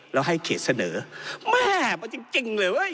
แล้วให้เขตเสนอแม่มาจริงเลยเว้ย